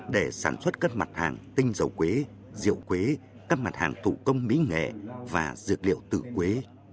để sản xuất các mặt hàng tinh dầu quế rượu quế các mặt hàng thủ công mỹ nghệ và dược liệu từ quế